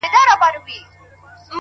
یه د زمان د ورکو سمڅو زنداني ه;